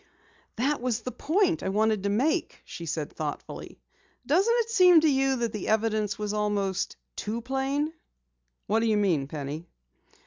"That was the point I wanted to make," she said thoughtfully. "Doesn't it seem to you that the evidence was almost too plain?" "What do you mean, Penny?"